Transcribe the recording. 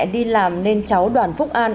đi làm nên cháu đoàn phúc an